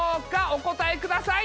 お答えください！